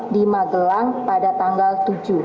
di magelang pada tanggal tujuh